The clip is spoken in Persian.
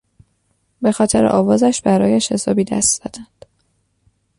بخاطر آوازش برایش حسابی دست زدند.